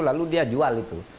lalu dia jual itu